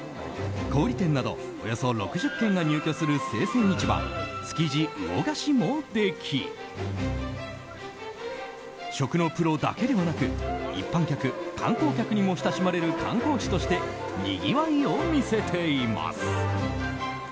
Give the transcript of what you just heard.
小売店などおよそ６０軒が入居する生鮮市場、築地魚河岸もでき食のプロだけではなく一般客、観光客にも親しまれる観光地としてにぎわいを見せています。